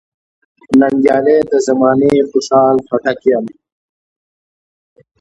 ننګیالی د زمانې خوشحال خټک یم .